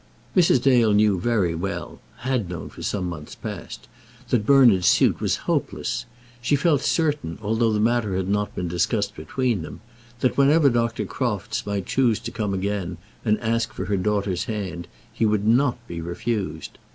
Mrs. Dale knew very well, had known for some months past, that Bernard's suit was hopeless. She felt certain, although the matter had not been discussed between them, that whenever Dr. Crofts might choose to come again and ask for her daughter's hand he would not be refused.